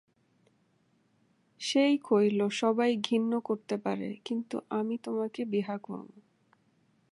সেই কইল, সবাই ঘিন্ন করতে পারে, কিন্তু আমি তোকে বিহা করমু।